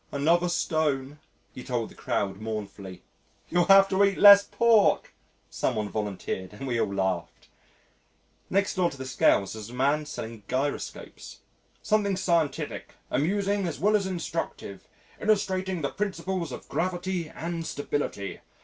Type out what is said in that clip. "Another stone," he told the crowd mournfully. "You'll have to eat less pork," some one volunteered and we all laughed. Next door to the Scales was a man selling gyroscopes. "Something scientific, amusing as well as instructive, illustrating the principles of gravity and stability.